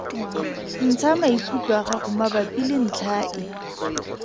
Ntsha maikutlo a gago mabapi le ntlha e.